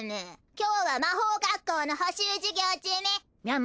今日は魔法学校の補習授業チム！